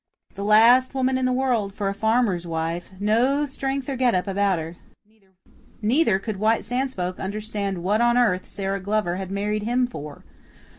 "The last woman in the world for a farmer's wife no strength or get up about her." Neither could White Sands folk understand what on earth Sara Glover had married him for.